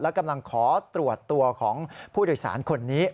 และกำลังขอตรวจตัวของผู้โดยสารคนนี้